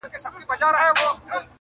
بیخي عادي یم